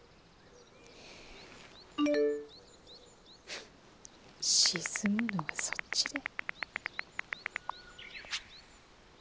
ふっ沈むのはそっちだ。